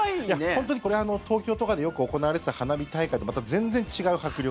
本当にこれ、東京とかでよく行われてた花火大会とまた全然違う迫力。